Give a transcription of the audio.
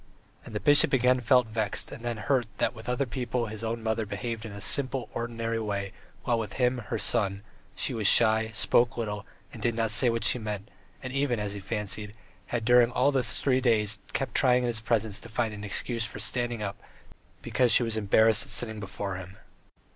And the bishop again felt vexed and then hurt that with other people his old mother behaved in a simple, ordinary way, while with him, her son, she was shy, spoke little, and did not say what she meant, and even, as he fancied, had during all those three days kept trying in his presence to find an excuse for standing up, because she was embarrassed at sitting before him.